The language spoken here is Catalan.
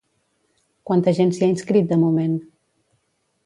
Quanta gent s'hi ha inscrit de moment?